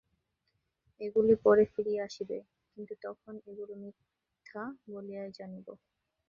এগুলি পরে ফিরিয়া আসিবে, কিন্তু তখন এগুলি মিথ্যা বলিয়াই জানিব।